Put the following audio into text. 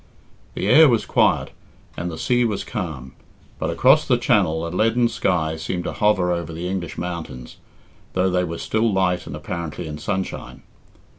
The air was quiet, and the sea was calm, but across the Channel a leaden sky seemed to hover over the English mountains, though they were still light and apparently in sunshine.